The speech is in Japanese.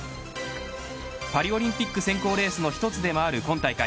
パリオリンピック選考レースの一つでもある今大会。